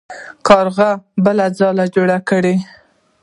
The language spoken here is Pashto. کارغه بله ځاله جوړه کړه.